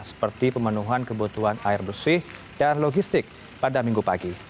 seperti pemenuhan kebutuhan air bersih dan logistik pada minggu pagi